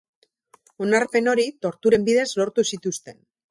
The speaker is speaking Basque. Onarpen hori torturen bidez lortu zituzten.